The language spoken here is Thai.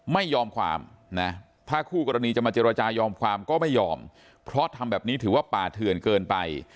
ไม่ยอมความนะถ้าคู่กรณีจะมาเจรจายอมความก็ไม่ยอมเพราะทำแบบนี้ถือว่าป่าเถื่อนเกินไป